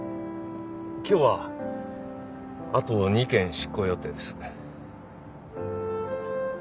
今日はあと２件執行予定です。